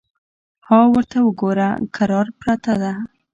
_ها ورته وګوره! کراره پرته ده.